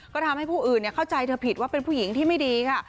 ก็ทำให้ผู้อื่นเข้าใจเธอผิดว่าเป็นผู้หญิงที่ไม่ดีค่ะ